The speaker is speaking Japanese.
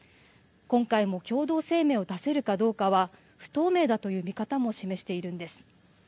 今回も共同声明を出せるかどうかは不透明だという見方も示しているんです。